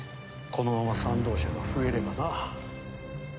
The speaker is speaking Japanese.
このまま賛同者が増えればな。